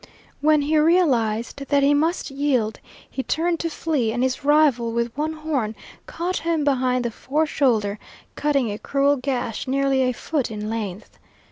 When he realized that he must yield, he turned to flee, and his rival with one horn caught him behind the fore shoulder, cutting a cruel gash nearly a foot in length.